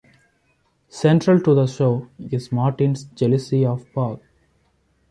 Central to the show is Martin's jealousy of Paul.